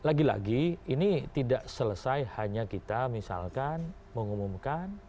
lagi lagi ini tidak selesai hanya kita misalkan mengumumkan